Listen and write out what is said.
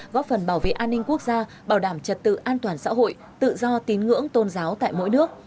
góp phần bảo vệ an ninh quốc gia bảo đảm trật tự an toàn xã hội tự do tín ngưỡng tôn giáo tại mỗi nước